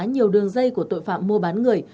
nhiều đường dây của tội phạm mua bán người